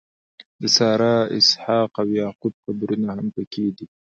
د سارا، اسحاق او یعقوب قبرونه هم په کې دي.